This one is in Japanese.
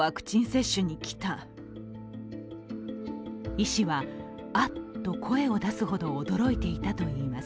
医師は、あっと声を出すほど驚いていたといいます。